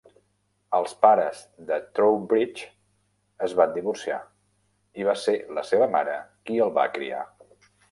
Els pares de Trowbridge es van divorciar i va ser la seva mare qui el va criar.